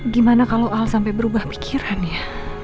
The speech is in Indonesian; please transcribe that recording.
gimana kalau al sampai berubah pikiran ya